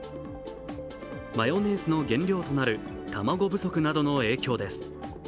マヨネーズの原料となる卵不足などの影響です。